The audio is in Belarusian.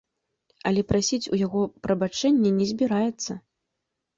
Але прасіць у яго прабачэння не збіраецца.